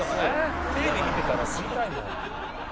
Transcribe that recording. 「テレビ見てたら知りたいもん」